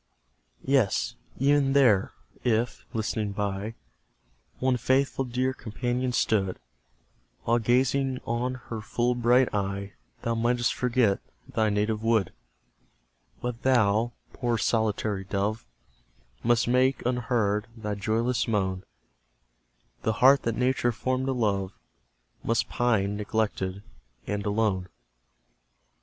Yes, even there, if, listening by, One faithful dear companion stood, While gazing on her full bright eye, Thou mightst forget thy native wood But thou, poor solitary dove, Must make, unheard, thy joyless moan; The heart that Nature formed to love Must pine, neglected, and alone.